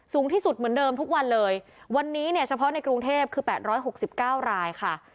สูงที่สุดเหมือนเดิมทุกวันเลยวันนี้เนี่ยเฉพาะในกรุงเทพคือแปดร้อยหกสิบเก้ารายค่ะ